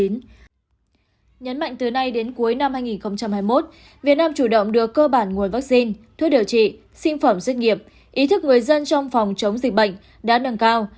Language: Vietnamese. nhấn mạnh từ nay đến cuối năm hai nghìn hai mươi một việt nam chủ động đưa cơ bản nguồn vaccine thuốc điều trị sinh phẩm xét nghiệm ý thức người dân trong phòng chống dịch bệnh đã nâng cao